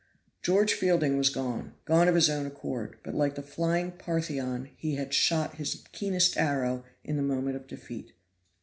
George Fielding was gone, gone of his own accord; but like the flying Parthian he had shot his keenest arrow in the moment of defeat.